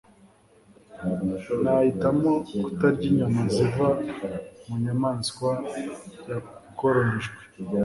nahitamo kutarya inyama ziva mu nyamaswa yakoronijwe